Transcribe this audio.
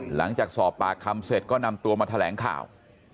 หลังจากสอบปากคำเสร็จก็นำตัวมาแถลงข่าว